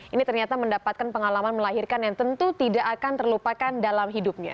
ini ternyata mendapatkan pengalaman melahirkan yang tentu tidak akan terlupakan dalam hidupnya